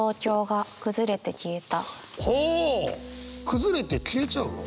崩れて消えちゃうの？